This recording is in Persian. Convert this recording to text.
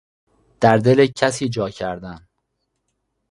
در دل کسی جا کردن